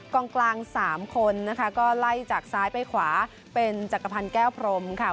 กลาง๓คนนะคะก็ไล่จากซ้ายไปขวาเป็นจักรพรรณแก้วพรมค่ะ